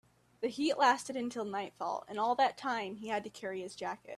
The heat lasted until nightfall, and all that time he had to carry his jacket.